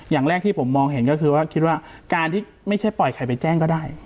อย่างแรกที่ผมมองเห็นก็คือว่าคิดว่าการที่ไม่ใช่ปล่อยใครไปแจ้งก็ได้